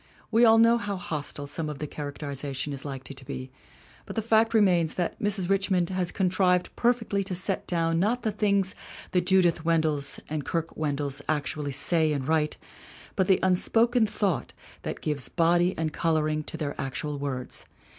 We all know how hostile some of the characterization is likely to be, but the fact remains that Mrs. Richmond has contrived perfectly to set down not the things the Judith Wendells and Kirke Wendells actually say and write but the un spoken thought that gives body and coloring to their actual words.